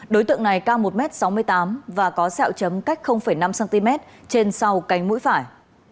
đối tượng này cao một m sáu mươi tám và có sẹo chấm cách năm cm trên sau cánh mũi phải